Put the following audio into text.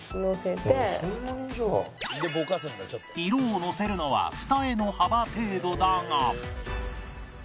色をのせるのは二重の幅程度だが